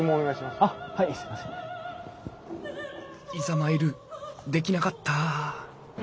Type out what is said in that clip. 「いざ参る」できなかった。